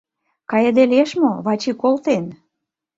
Кайыде лиеш мо, Вачи колтен...